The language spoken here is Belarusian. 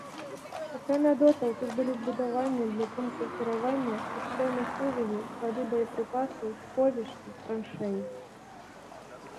Акрамя дотаў, тут былі збудаванні для пунктаў кіравання, сістэмы сувязі, склады боепрыпасаў, сховішчы, траншэі.